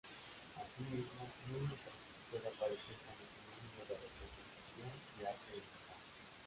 Asimismo, mímica puede aparecer como sinónimo de representación y arte de imitar.